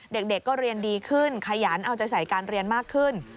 เด็กก็เรียนดีขึ้นขยันเอาใจใส่การเรียนมากขึ้น